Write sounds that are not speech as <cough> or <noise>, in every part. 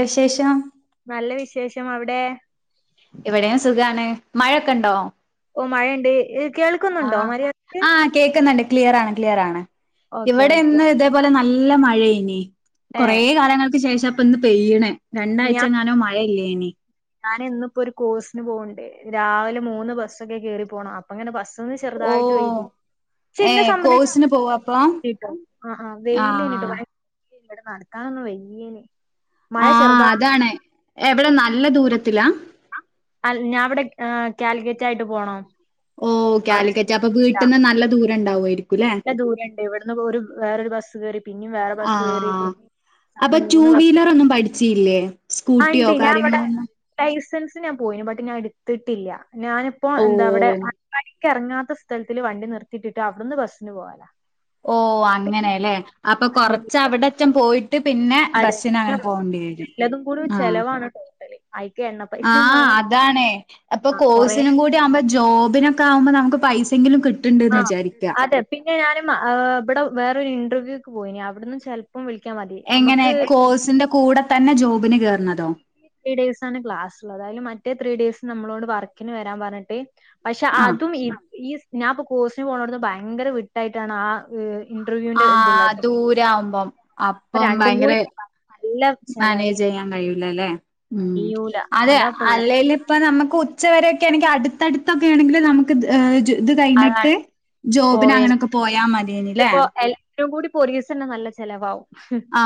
വിശേഷം ഷം അവിടെ ഇവെടെം സുഖാണ് മഴൊക്കെണ്ടോ ഒ മഴണ്ട് ഹ് ആ ആ കേക്കുന്നുണ്ട് ക്ലിയറാണ് ക്ലിയറാണ് ഓക്കെ ഇവെടെ ഓക്കെ ഇന്ന് ഇതേപോലെ നല്ല മഴൈഞി ഏ കൊറേ കാലങ്ങൾക്ക് ശേഷം പ്പന്ന് പെയ്യ്ണ് രണ്ടാഴ്ചങ്ങാനോ മഴയില്ലൈനി ഞാന് ന്ന്പ്പോ ഒരു കോഴ്സ്ന് പോണ്ണ്ട് രാവിലെ മൂന്ന് ബസ്സൊക്കെ കേറി പോണം അപ്പങ്ങനെ ബസ് ന്ന് ഓ ചെറുതായിട്ട് പൈതി ക്ഷെ ഏ ഇന്നെ സംബന്ധിച്ച് കോഴ്സിന് അവടെക്കെ പോവാ അപ്പൊ വെയിലേനിട്ടൊ ആ ആ വെയിലേനിട്ടൊ ആഹ് ഭയങ്ക് ഇവിടെ നടക്കാനൊന്ന് വയ്യയ്നി ആ അതാണ് എവടെ നല്ല ദൂരത്തിലാ അൽ ഞാവിടെ ഏ കാലിക്കറ്റായിട്ട് പോണം ഓ അവിടെ ഒരു കാലിക്കറ്റ് അപ്പൊ ഇൻസ്റ്റിറ്റ്യൂട്ടാ. വീട്ട്ന്ന് നല്ല ദൂരണ്ടാവോയിരിക് നല്ല ദൂരണ്ട് ഇവടുന്ന് ഒരു വേറൊരു ബസ്സ് കേറി പിന്നെം വേറെ ബസ്സ് കേറി ആഹ് പിന്നിം അപ്പൊ അങ്ങനെ ടൂ മൂന്ന് ബസ് വീലറൊന്നും പഠിച്ചീല്ലേ ആണ്ട് ഞാവിടെ ലൈസൻസ് ജ് ഞാൻ പോയീന് ബട്ട് ഞാട്ത്തിട്ടില്ല ഞാനിപ്പോ എന്താവിടെ ഓ <unintelligible> കറങ്ങാത്ത സ്ഥലത്തിൽ വണ്ടി നിർത്തിട്ട്ട്ട് അവിടുന്ന് ബസ്സിന് പോകലാ ഓ അങ്ങനെല്ലേ അപ്പൊ കൊറച്ച് അവിടറ്റം പോയിട്ട് പിന്നെ അതെ ബസ്സിന് പിന്നെ അങ്ങനെ ബസ് പോകേണ്ടി വരും എല്ലതും കൂടി ആ ചെലവാണ് ടോട്ടല് അയിക്ക് എണ്ണ പൈസയും ആഹ വേണം അതാണ് അപ്പൊ ആ കൊറേ കോഴ്സിനും കൂടി ആവുമ്പോ ജോബിനൊക്കെ ആവുമ്പോ നമുക്ക് പൈസ ആ അതെ പിന്നെ ഞാനും ഇവിടെ വേറൊരു ഇന്റർവ്യൂക്ക് പോയി അവിടുന്ന് ചൽപ്പം എങ്ങനെ കോഴ്സിന്റെ കൂടെ തന്നെ ജോബിന് കേർണതോ ത്രീ ഡെയ്സ്‌ ആണ് ക്ലാസുള്ളത് അയിൽ മറ്റേ ത്രീ ഡേയ്സ് നമ്മളോട് വർക്കിന് വരാൻ പറഞ്ഞിട്ട് പക്ഷെ ആഹ് അതും ഈഈ ഞാനിപ്പൊ കോഴ്സിന് പോണോടത് ഭയങ്കര വിട്ടായിട്ടാണ് ആ ഹ് ഇന്റർവ്യൂവിന്റെ ഇതുള്ള ആഹ് ദൂരാവുമ്പം അപ്പം അപ്പം രണ്ടും കൂടി ഭയങ്കര നല്ല ചെലവേ മാനേജ് ചെയ്യാൻ കഴിയൂലല്ലേ ഉം കഴിയൂല അതെ അതാപ്പള്ളത് അല്ലെല്ഇപ്പ നമുക്ക് ഉച്ചവരെ ക്കെണെങ്കിൽ അടുത്തടുത്തൊക്കെ ആണെങ്കിൽ നമുക്ക് ഇത് കഴിഞ്ഞിട്ട് അതാണ് ജോബിൻ അങ്ങനൊക്കെ പോയാ മതിയ്നിലേ ഏറ്റവും കൂടി ഒരീസം തന്നെ നല്ല ചിലവാവും ആ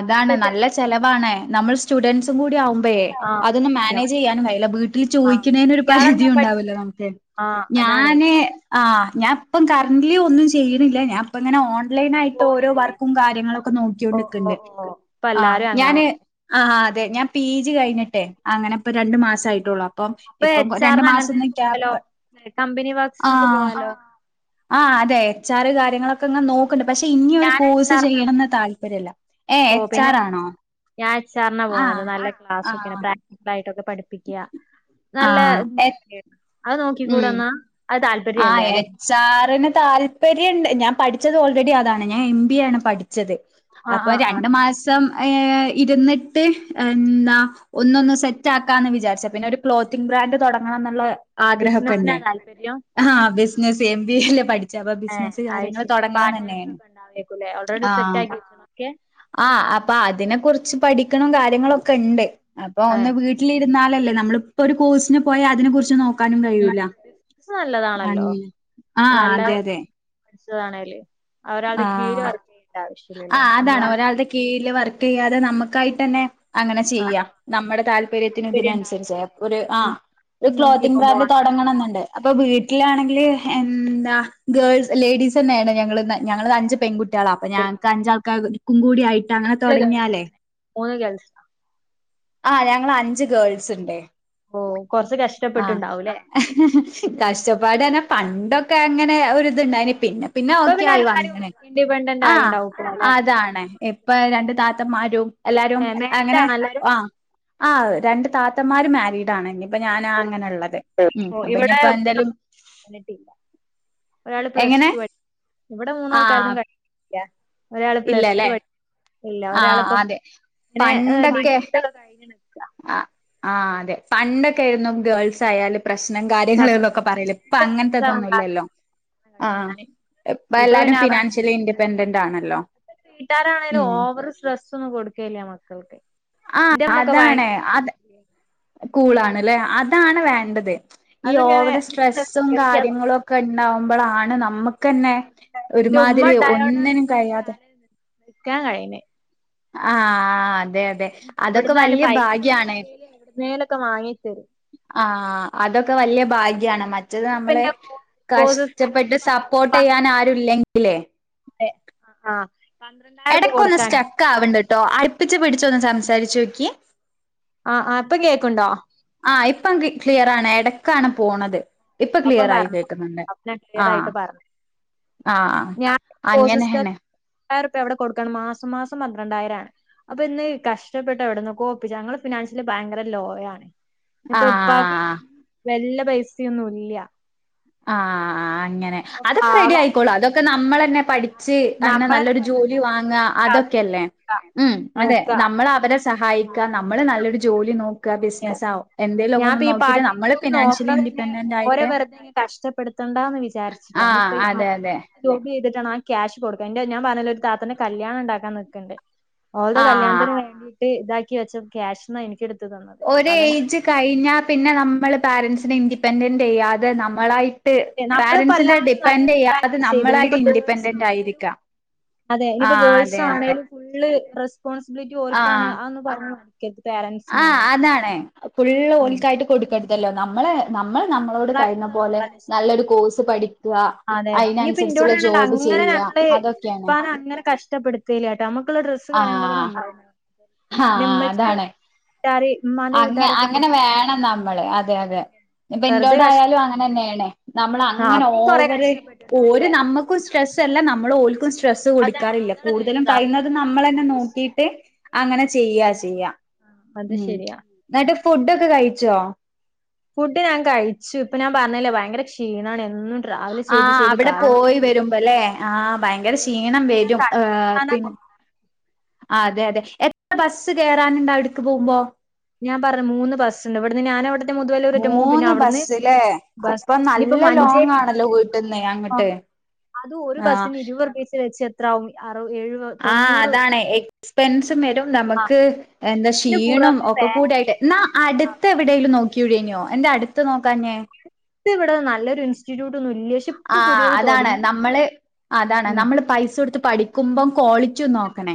അതാണ് നല്ല ചെലവാണ് നമ്മൾ സ്റ്റുഡന്റ്സ് കൂടി ആവുമ്പയേ ആഹ് അതൊന്നും സത്യം മാനേജ് ചെയ്യാനും വയല്ല വീട്ടിൽ ആഹ് ചോദിക്കുന്നതിന് ഒരു പരിധി ഉണ്ടാവലോ നമുക്ക് ആഹ് അതാണ് ഞാന് ആ ഞാൻ ഇപ്പം കറന്റ്ലി ഒന്നും ചെയ്യ് ണില്ലഞാൻ ഇപ്പ ഇങ്ങനെ ഓൺലൈൻ ആയിട്ട് ഓരോ വർക്കും കാര്യങ്ങളും നോക്കിയോണ്ട്ക്ക്ണ്ട് ഇപ്പ ആ എല്ലാരും ഞാൻ അങ്ങനെന്നെ ആ അതെ ഞാൻ പിജി കഴിഞ്ഞിട്ട് അങ്ങനെ ഇപ്പ രണ്ടു മാസം ആയിട്ടോള്ളു അപ്പം ഇപ്പൊ ഇപ്പം എച്ച് രണ്ടു ആറിന് മാസന്ന് അങ്ങനത്തേനൊക്കെ പോയാലോ ക്യാപ്പ് കമ്പനി ബസിനൊക്കെ പോവാലോ ആ അതെ എച്ച് ആർ കാര്യങ്ങളൊക്കെ നോക്ക നോക്ക്ണ്ട് പക്ഷെ ഇനി ഒരു ഞാൻ എച്ച് കോഴ്സ് ആറിനാ ചെയ്യണന്ന് പോണേ. താല്പര്യല്ല ഏ എച്ച് ആർ ആണോ ഞാൻഎച്ച് അറിന പോണത് ആഹ് നല്ല ക്ലാസ്സൊക്കൊയാണ് ആഹ് പ്രാക്റ്റിക്കൽ ആയിട്ടൊക്കെ പഠിപ്പിക്കുക നല്ല ആഹ് എ അത് നോക്കിക്കൂടെ എന്നാ അത് ആഹ താല്പര്യല്ലേ അല്ലെ എച്ച് ആറിന് താൽല്പര്യണ്ട് ഞാൻ പഠി പഠിച്ചത് ഓൾറെഡി അതാണ് ഞാൻ എംബിയ ആണ് പഠിച്ചത് ആഹ് അപ്പൊ ആഹ് ആഹ് രണ്ട് മാസം ഏ ഇരുന്നിട്ട് എന്നാ ഒന്നൊന്ന് സെറ്റ് ആക്കാന്ന് വിചാരിച്ച പിന്നെ ഒരു ക്ലോത്തിങ്‌ ബ്രാൻഡ് ബ്രൻഡ് തുടങ്ങണംഎന്നുള്ള ബിസിനസിനാ താല്പര്യം ആഹ ബിസിനസ്‌ എം ബി എ - ഹെ അയിശരിപാർട്ടേൺഴ്‌സ് തന്നെയാണ് ഒക്കെ ഉണ്ടാവെക്കൊലെ ഓൾറെഡി സെറ്റ് ആക്കി ഒക്കെ ആ അപ്പൊ അതിനെ കുറിച്ച് പഠിക്കണം കാര്യങ്ങളൊക്കെ ഉണ്ട് അപ്പൊ ഒന്ന് ഏഹ് വീട്ടിലിരുന്നാലല്ലേ നമ്മളിപ്പോ ഒരു കോഴ്സിന് പോയാ അതിനെ കുറിച്ച് നോക്ക ക്കാനും ഉം കഴൂല ബിസിനസ് നല്ലതാണല്ലോ ആ അതെ അതെ താണേൽ ആഹ ആ നമ്മള അതാണ് ഒരാളുടെ കീഴിൽ വർക്ക് ചെയ്യാതെ നമുക്കായിട്ട് തന്നെ അങ്ങനെ ആഹ് ചെയ്യാം നമ്മുടെ താല്പര്യത്തിന് താല്പര്യം ഉണ്ടാവില്ല ഇതിനനുസരിച്ച് അപ്പഒരു ആ ഒരു ക്ലോത്തിംഗ് ഇപ്പം ബ്രാൻഡ് പോവാൻ തുടങ്ങണന്നുണ്ട് അപ്പൊ വീട്ടിലാണെങ്കില് എന്താ ഗേൾസ് ലേഡീസ് തന്നെയാണ് ഞങ്ങ ഇന്ന് ഞങ്ങൾ അഞ്ച് പെൺകുട്ടികളാ അത് അപ്പൊ ശരി ഞങ്ങക്ക് ഏയ് അഞ്ചാൾക്കാർക്കും കൂടി ആയിട്ട് അങ്ങനെ തുടങ്ങിയാലേ ഗൾഫ് ആ ഞങ്ങൾ അഞ്ച് ഗേൾസ് ഇണ്ടെ ഓ കൊറച്ച് ആ കഷ്ടപ്പെട്ടുണ്ടാവൂല്ലേ ഹാഹ് കഷ്ടപ്പാടനെ പണ്ടൊക്കെ അങ്ങനെ ഒരിത്ണ്ടായിന് പിന്നെ ഇപ്പൊ റെഡി ആയി എല്ലാരും വന്ന്ണ് ഇൻഡിപെൻഡന്റ് ആ ആയിണ്ടാവും ഇപ്പൊ അല്ലെ അതാണ് ഇപ്പോ രണ്ട് താത്ത താത്തമാരും എല്ലാരും മാരീഡ് അങ്ങനെ ആണോ എല്ലാരും ആ ആ രണ്ട് താത്തന്മാരും മാരിഡാണ് അപ്പൊ ഞാനാ അങ്ങനെള്ളത് ഉ ഓ അപ്പൊ ഇനിപ്പോ എന്തേലും ഒരാൾ എങ്ങനെ പ്ലസ്ടു പഠി ഇവിടെ മൂന്നാ ആഹ് ആൾക്കാരൊന്നും കഴില്ല ഒരാൾ പ്ലസ്ടു ഇല്ലല്ലേ പഠി ആഹ് ഒരാളിപ്പോ അതെ പിന്നെ എഹ് ഡിഗ്രി <unintelligible> അ ആഹ് അതെ പണ്ടൊക്കെ ആയിരുന്നു ഗേൾസ് ആയാല് പ്രശ്നം കാര്യങ്ങള്ള് പത്ത് ഒക്കെ പറയല് ഇപ്പൊ അങ്ങനത്തെതൊന്നും ഇല്ലല്ലോ ആഹ് ഞാന് ഇപ്പ ഇപ്പൊ പിന്നെ എല്ലാരും ഫിനാൻഷ്യലി ഇൻഡിപെൻഡന്റ് ആണല്ലോ വീട്ടാരാണെങ്കലും ഉം ഓവർ സ്ട്രെസ്സ് ഒന്നും കൊടുക്കലില്ല മക്കൾക്ക് ആഹ് ഇന്റെമ്മ അതാണ് അത് കൂളാണ് ല്ലേ അതാണ് വേണ്ടത് ഈ ഓവറ് സ്ട്രെസ്സും അതിങ്ങനെ കാര്യങ്ങളും ഒക്കെ ഇണ്ടാവുമ്പോളാണ് നമ്മക്ക്ന്നെ ഒരു എന്റെ ഉമ്മ ഇമ്മാതിരി ഉണ്ടായോണ്ടാണ് ഒന്നിനും ഇത്രയും കഴിയാതെ കാലം നിക്കാൻ കഴിയിണ് ആഹ് അതെ അതെ അതൊക്കെ വല്യ ഭാഗ്യാണ് മേലൊക്കെ വാങ്ങിത്തരും ആഹ് അതൊക്കെ വലിയ ഭാഗ്യാണ് മറ്റേത് ഇപ്പ നമ്മള് എന്റെ കോഴ്സസ് കഷ്ടപ്പെട്ട സപ്പോർട്ട് ചെയ്യാൻ ആരുല്ലെങ്കിലെ. അതെ ആഹ് ആഹ് എടയ്ക്കൊന്ന് സ്റ്റക്ക് ആവൂണ്ടട്ടോ ആയിപ്പിച്ചു പിടിച്ചു ഒന്ന് സംസാരിച്ചു നോക്കിയേ. ആഹ് ആഹ് ഇപ്പൊ കേക്കുണ്ടോ. ആഹ് ഇപ്പം കി ക്ലിയർ ആണ്, എടക്കാണ് പോണത്. ഇപ്പ അപ്പം ക്ലിയർ ആയി പറഞ്ഞു കേക്കുന്നുണ്ട് അപ്പ ഞാൻ ക്ലിയർ ആഹ്. ആയിട്ട് പറഞ്ഞു ആഹ് അങ്ങനെയാണ്. രണ്ടായിരം ഉറുപ്യ എവിടെ കൊടുക്കണം, മാസം മാസം പന്ത്രണ്ടായിരാണ് അപ്പൊ ഇന്ന് കഷ്ടപ്പെട്ട എവിടുന്നൊക്കൊ ഒപ്പിച്ച് ഞങ്ങള് ഫിനാൻസ്. ല് ഭയങ്കര ലോ ആണ്‌ ഇനിയിപ്പോ ആഹ് വല്ല പൈസയൊന്നും ഇല്ല. ആഹ് അങ്ങനെ അപ്പൊ അതൊക്കെ റെഡി പാവം ആയിക്കോളും അതൊക്കെ നമ്മള് തന്നെ പഠിച്ച് അങ്ങനെ നമ്മളന്നെ നല്ലൊരു പഠിച്ച് ജോലി നല്ല വാങ്ങാ ജോലിയാ അതൊ ക്കെയല്ലേ ഉം അതെ നോക്കാ നമ്മള് അവരെ സഹായിക്കാ നമ്മള് നല്ലൊരു ജോലി നോ ക്കാ അതെ ബിസിനസ്സ് ആവും എന്തേലൊക്കൊന്ന് ഞാൻപ്പ ഈ നോക്കിട്ട് പാർടൈം നമ്മള് ജോബ് ഫിനാൻഷ്യലി ഇൻഡിപെൻഡന്റ് ആയിട്ട്. ഇഷ്ടപ്പെടുത്തേണ്ട എന്ന് വിചാരിച്ചിട്ടാ ആഹ് ഇനിപ്പോ അതെ ആരാ അതെ <inaudible> ജോലി ചെയ്തിട്ട്. കിട്ടണം ആ ക്യാഷ് കൊടുക്കാൻ എന്റെ ഞാൻ പറഞ്ഞല്ലോ ഒരു താത്തിന്റെ കല്യാണം ഇണ്ടാക്കാൻ നിക്കുണ്ട്. ഓളുടെ ആഹ് കല്യാണത്തിന് വേണ്ടിയിട്ട് ഇതാക്കി വെച്ച ക്യാഷാന്ന് എനിക്ക് എടുത്ത് തന്നത്. ഒരേ അതന്നെ എജ് കഴിഞ്ഞാ പിന്നെ നമ്മള് പേരെന്റ്സിനെ ഇൻഡിപെൻഡന്റ് ചെയ്യാതെ നമ്മളായി. ട്ട് നമ്മളിപ്പോ പേരന്റ്സിന്റെ എല്ലാരും നല്ല ഡിപ്പെന്റ് ചെയ്യാതെ വലുതാക്കി ചെയ്തണ് നമ്മളായിട്ട് ഇനിയിപ്പോ ഗേൾസ് ഇൻഡിപെൻഡന്റ് ആണേലും ആയിരിക്കാ. അതെ ഇനിയിപ്പോ ഗേൾസ് ആണേലും ഫുള്ള്. റെസ്പോൺസിബിലിറ്റി ഓര്ക്ക് ആണ് ആഹ് അതൊന്നു പറഞ്ഞ് കൊടുക്കരുത് ആഹ് പോരന്റ്സിനാണ്. അതാണ് ഫുള്ള് ഓല് ആയിട്ട് കൊടുക്കരുത്. ല്ലോ നമ്മളെ നമ്മള് നമ്മളോട് കഴിയുന്ന പോലെ നല്ലൊരു കോഴ്സ് പഠിക്കാ അയിനനുസരി എന്റെ കൂടെയാണേൽ അങ്ങനെ ഞങ്ങള് ഇപ്പാനെ അങ്ങനെ ക്യാഷ്. കഷ്ടപ്പെടുത്തില്ലട്ടോ നമുക്കുള്ള ഡ്രസ്സ് കാര്യങ്ങളൊക്കെ ആഹ് നമ്മളെ. ആഹ് അതാണ്. വീട്ടാര് ഉമ്മാന്റെ അങ്ങ വീട്ടാരൊക്കെ അങ്ങനെ കൊടുക്കും വേണം നമ്മള് അതെ അതെ ഇപ്പൊ വെറുതെ ഇന്റോട് ആയാലും കഷ്ടപ്പെടു അങ്ങനെ തന്നെയാണ്. നമ്മള് ആ അങ്ങനെ അവിടെയും കൊറെ ഓവറെ ഓര് കഷ്ടപ്പെട്ടുണ്ടാവൂല്ലേ ഞമ്മക്കും സ്ട്രെസ്സ് അല്ല നമ്മള് ഓര്ക്കും സ്ട്രെസ്സ് അതാണ് കൊടുക്കാറി ല്ല അതാണ് കൂടുതലും വേണ്ടിയത് അവിടെ കഴിയുന്നതും ഉണ്ടല്ലോ നമ്മള് കൊറെ തന്നെ ഗേൾസില്ലേ നോക്കീട്ട് അങ്ങനെ ചെയ്യാ ചെയ്യാം. അത് ശരിയാ എന്നിട്ട് ഫുഡൊക്കെ കഴിച്ചോ. ഫുഡ് ഞാൻ കഴിച്ചു ഇപ്പൊ ഞാൻ പറഞ്ഞല്ലേ ഭയങ്കര ക്ഷീണയാണ്. ആഹ് അവിടെ പോയി വരുമ്പോല്ലേ, ആഹ് ഭയങ്കര ക്ഷീണം വരും ഏഹ് പിന്നെ. <inaudible> അതെ അതെ എത്ര ബസ് കേറാൻ ഇണ്ട് അവിടുക്ക് പോകുമ്പോ. ഞാൻ പറഞ്ഞ് മൂന്ന് ബസ്സ് ഉണ്ട്, ഇവിടുന്ന് ഞാൻ അവിടുന്ന്. <unintelligible> പിന്നെ മൂന്ന് അവിടുന്ന് ബസ്സ്ല്ലേ ബസ്സ് അപ്പൊ ഇനിയിപ്പോ നല്ല ലോങ് മഞ്ചേരിക്കാണൽ <inaudible> ആണല്ലോ വീട്ടിന്ന് അങ്ങട്ട്. അതും ഒരു ആഹ് ബസ്സിന് ഇരുപർ പീസ് വെച്ചെത്രാവും. ആ അതാണ് എക്സ്പെൻസും വരും ആഹ് നമുക്ക്. എന്താ ഇതിന് ക്ഷീണം പുറമെ വേ ഒക്കെ കൂടായിട്ട് എന്നാ അടുത്ത് എവിടേലും നോക്കു <unintelligible> എന്താ അടുത്ത് നോക്കാഞ്ഞേ. ഇത് ഇവിടെ നല്ലൊരു ഇൻസ്റ്റിറ്റ്യൂട്ട് നോക്കി. ആഹ് അതാണ് നമ്മള് അതാണ് ഉം നമ്മള് പൈസ കൊടുത്ത് പഠിക്കുമ്പോ കോളി ച്ചു നോക്കണേ,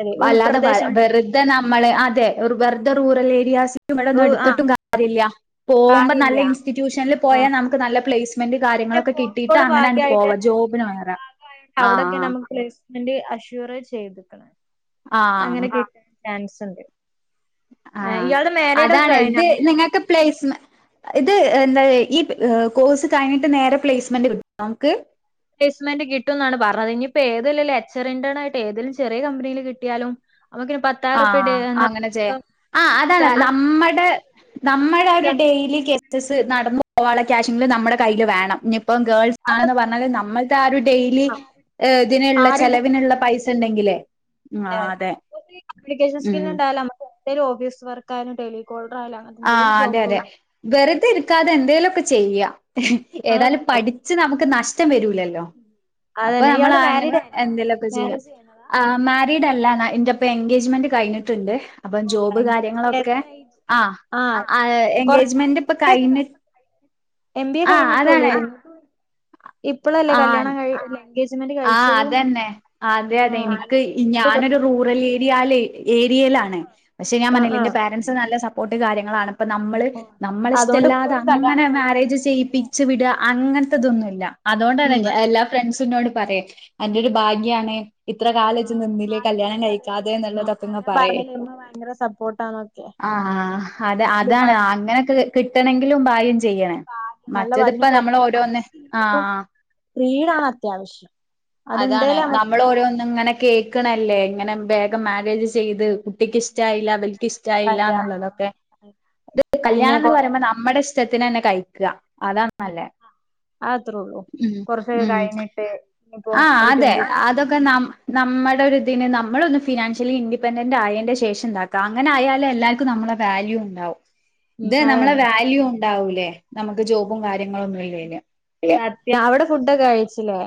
അതെ അല്ലാതെ വ ഉൾപ്രദേശം വെറുതെ നമ്മള് അതെ ഒരു വെറു ദി റൂറൽ ഏരിയസ്. ഇവിടൊന്നും റൂ ആഹ് എടുത്തിട്ടും കാര്യയില്ല, പോകുമ്പോ നല്ല കാര്യല്ല ഇൻസ്റ്റിറ്റ്യൂഷനിൽ ആഹ് പോയാൽ നമുക്ക് നല്ല പ്ലേസ്മെന്റ് കാ പിന്നെ ഒക്കെ കിട്ടിയിട്ടാ കോഴിക്കോട് അങ്ങനെ അങ് ഭാഗ്യായിട്ട് പോവാ തന്നെ ജോബിനാണ് റെ ആഹ്. എന്റെ അഷൂറാ ചെയ്തേക്കണേ, അങ്ങനെ ആഹ് കിട്ടാൻ ചാൻസുണ്ട്. ആ അതാണ് ഇത് നിങ്ങക്ക് പ്ലേസ്മെ ഇത് എന്താ ഈ കോഴ്സ് കഴിഞ്ഞിട്ട് നേരെ പ്ലേസ്മെന്റ് കിട്ടുമോ നമുക്ക്. പ്ലേസ്മെന്റ് കിട്ടും എന്നാണ് പറഞ്ഞത് ഇനിയിപ്പ ഏതെലെക്ചെ റിൻേണ ആയിട്ട് ഏതെലും ചെറിയ കമ്പനിയിൽ കിട്ടിയാലും നമുക്കിനി ആ പത്തായിരം അങ്ങനെ ചെയ്യാം റുപ്യ ആ അതാണ് സ്ഥലം നമ്മടെ നമ്മടവിടെ ഡെയിലി കേസസ് നടന്നു പോകാനുള്ള ക്യാഷെ ങ്കിലും നമ്മുടെ കയ്യിലു വേണം ഇപ്പം ഗേൾസ് ആണെന്ന് പറഞ്ഞാലും നമ്മൾക്കാ ഒരു ഡെയിലി ആ ഇതിനുള്ള ആരും ചെലവിനുള്ള ബുദ്ധിമുട്ടിപ്പിക്കണ്ട പൈസ ഉണ്ടെങ്കിലേ ആ അതെ കമ്മ്യൂണിക്കേഷൻ സ്കിൽ ഉം ഉണ്ടായും നമക്ക് എന്തേലും ഓഫീസ് വർക്കായാലും ലികോൾ ആ അതെ അതെ വെറുതരിക്കാതെ എന്തേലൊക്കെ ചെയ്യാ ഏതായാലും അതത്രേ ഉള്ളൂ പഠിച്ചെ നമുക്ക് നഷ്ടം വരൂ ല്ലല്ലോ അപ്പ അതന്നെ നമ്മളെ ഇയാള് മാരീഡ് ആയിരുന്നോ എന്തേലൊ ക്കെ ചെയ്യാം മാരേജ് കഴിഞ്ഞതാ ആ മാറ്റ വീടല്ല എന്റിപ്പ എൻഗേജ്മെന്റ് കഴിഞ്ഞിട്ടുണ്ട് അപ്പം ഓ ജോബെ എങ്കിൽ കാര്യങ്ങളൊക്കെ എത്ര ഏജ് ആ ആ കൊറച്ച് ആ എം എങ്ങാമെന്റിപ്പ ബി എ ഒക്കെ കഴിഞഞ്ഞിട്ട് എം ബി എ കഴിഞ്ഞിട്ടുള്ളൂ ഇപ്പോഴല്ലേ ആ കല്യാണം കഴിഞ്ഞെ ആ അതന്നെ അതെ ആ അതെ നല്ല എനിക്ക് ഫ്രീഡം ഒക്കെ ഞാനൊരു റൂറൽ കിട്ടിയിട്ടുണ്ടല്ലോ അല്ലേ ഏരിയാലെ ഏരിയ ലാണെ പക്ഷെ ഞാൻ ആ പറഞ്ഞില്ലേ എന്റെ ആ പാരൻസ് നല്ല സപ്പോർട്ടും കാര്യങ്ങളാണ് അപ്പ നമ്മള് ഓ അതുകൊണ്ട് നമ്മളിഷ്ടല്ലാതെ ഇപ്പോഴും അങ്ങനെ കല്യാണം കഴിയാതെ മാര്യേജെ നിക്കണല്ലേ ചെയ്യിപ്പിച്ച് വിടുവ അങ്ങനെ തൊന്നുമില്ല ല അതുകൊണ്ടണെ എല്ലാ ഫ്രണ്ട്സിനോട് പരേം അന്റൊരു ഭാഗ്യാണ് ഇത്ര കാലച്ച നിന്നിലേ ആഹ് കല്യാണം ഇവിടെയും കഴിക്കാതെ അതേപോലെന്നെ അത് എന്നുള്ളതപ്പങ് ഞാൻ പറയ പറഞ്ഞില്ലേ ഇമ്മ ഭയങ്കര സപ്പോർട്ടാന്നൊക്കെ ആ അത അതാണ് അങ്ങനൊക്കെ കിട്ടണെങ്കിലും ഭാഗ്യം ചെയ് ചെയ്യണെ നല്ല മറ്റതിപ്പ ഇനിയിപ്പോ നമ്മൾ എത്ര ഓരോന്ന് പൈസ ആ ഇല്ലെങ്കിലും ആ ഫ്രീഡാണ് അത്യാവശ്യം അതാണ് അത്ണ്ടേല് നമുക്ക് നമ്മളോരോനിങ്ങനെ ഇങ്ങനെ കേൾക്കണല്ലേ ഇങ്ങനെ വേഗം മാരേജെ ചെയ്ത് കുട്ടിയ്ക്ക് ഇഷ്ടായില്ല അവൽക്ക് ഇഷ്ടായില്ല സാധിക്കാനില്ല എന്നുള്ളതൊക്കെ പിന്നെ കല്യാണം എന്ന് കൊറെ പറയുമ്പം നമ്മടെ ഇഷ്ടത്തിന് തന്നെ കഴിക്കുക അതാ അല്ലെ അത്രേള്ളൂ ഉം കൊറച്ച് ഉ കഴിഞ്ഞിട്ട് ഇനിയിപ്പോ ആ ഒരു അതെ ട്വന്റി അതൊക്കെ നമ് നമ്മടെ ഒരു പിന്നെ നമ്മളൊന്ന് ഫിനാൻഷ്യലി ഇൻഡിപെൻഡന്റ് ആയതിന്റെ ശേഷം ഇണ്ടാക്ക അങ്ങന ആയാലേ എല്ലാർക്കും നമ്മളെ വാല്യു ഉണ്ടാവും ഉം ഇത് നമ്മളെ അതന്നെ വാല്യൂ ഉണ്ടാവൂലേ നമുക്ക് ജോബും കാര്യങ്ങളൊന്നുമില്ലേ ലെ അത്യാ അവിടെ ഫുഡൊക്കെ കഴിച്ചില്ലേ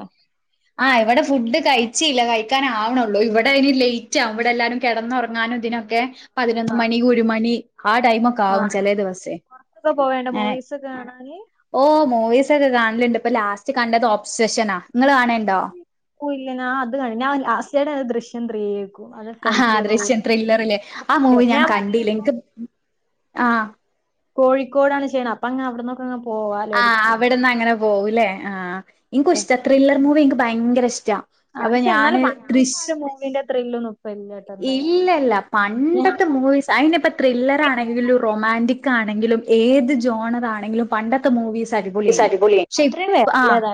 ആ ഇവിടെ ഫുഡ് കഴിച്ചില്ല കഴിക്കാൻ ആവണുള്ളു ഇവിടെ ഇനിലേറ്റാ അവിടെ എല്ലാരും കിടന്നുറങ്ങാനും ഇതിനൊക്കെ പതിനൊന്ന് മണി ഒരു മണി ആ ടൈമൊക്കെ ആവും ചെ ല ദെവസേ ക്കെ പോവേണ്ട മൂവീസ് ഒക്കെ കാണാൻ ഓ മൂവീസ് ഒക്കെ കാണലണ്ട് ഇപ്പൊ ലാസ്റ്റ് കണ്ടത് ഒബ്സഷനാ നി ങ്ങളെ കൻ ഓ ഇല്ലാ നാ അത് കാണ് ഞാൻ ലാസ്റ്റേടെ ദൃശ്യം ത്രീ ആഹാ ദൃശ്യം ത്രില്ലറല്ലേ ആ മൂവി ഞാൻ പറഞ്ഞില്ലേ കണ്ടീല്ല ഇപ്പൊ എനക്ക് ആ കോഴിക്കോടാണ് ചെയ്യണം അപ്പം ഞാൻ അവിടന്ന് ആ അവിടെന്ന് അങ്ങനെ പോകൂല്ലേ ആ എനിക്ക ഇഷ്ട ത്രില്ലർ മൂവി എനിക്ക് ഭയങ്കര ഇഷ്ട് ച്ച ആ അപ്പം പക്ഷെ എന്നാലും ഞാനേ പണ്ടത്തെ തൃശ് ആ ഒരു മൂവിന്റെ ത്രില്ലൊന്നും ഇപ്പ ഇല്ലട്ടോ എന്തായാലും ഇല്ലല്ല പണ്ടത്തെ മൂവി അന് ഇപ്പ ത്രില്ലറ ആണെങ്കിൽ ഒരു റൊമാൻറിക് ആണെങ്കിലും ഏത് ജോണറാണെങ്കിലും പണ്ടത്തെ മൂവീസ് രി പോല ശ അത്രയും ആ വരില്ലതാ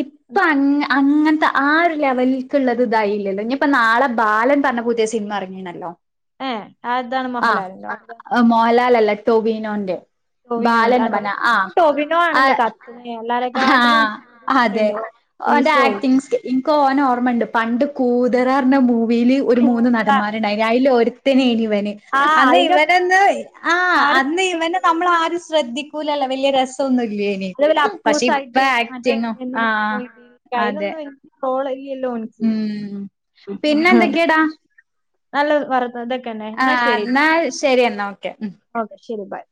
ഇപ്പ അ അങ്ങനത്തെ ആ ഒരു ലെവലിക്കുള്ളത് ഇതായില്ലല്ലോ ഇനി ഇപ്പ നാളെ ബാലൻ പറഞ്ഞ പുതിയ സിനിമ ഇറങ്ങിയണല്ലോ ഏ അതാണ് ആ മോഹൻലാലിന്റെ മോഹലാൽ അല്ല ടോവിനോന്റെ വി ബാലൻന്ന് നണ്ട് എല്ലാരെക്കാട്ടിലും അതെ ഉണ്ട് മൂവീസ് ആക് ഓന ഓർമ്മുണ്ട് പണ്ട് കൂതരാറന്റെ മൂ വീല്ി ഒരു മൂന്ന് നടന്മാരുണ്ടായി അല് ഒരുത്തനന ഇവന് ആ അന്ന് അതിന്റെ ഒക്കെ ഇവനന്ന് ആ ആരും അന്ന് ഇവന മൈൻഡൊക്കെ നമ്മള ആരും ശ്രദ്ധിക്കൂലല്ല വല്ിയ രസംൊന്നും അതേപോലെ അപ്പൂസായിട്ട് മറ്റേയി ആഹ് അതെ അലൊന്നും എനിക്ക് കോള ഒ ഉം പിന്നെന്തൊക്കെടാ നല്ല വര അതൊക്കെന്നെ എന്നാ ആഹ് ശരി ന്നാ ശരി എന്നാ ഓക്കെ. ഓക്കെ ശരി ബയ്